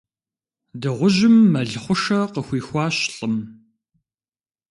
Дыгъужьым мэл хъушэ къыхуихуащ лӀым.